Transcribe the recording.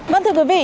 vâng thưa quý vị